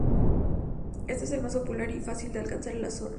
Este es el más popular y fácil de alcanzar en la zona.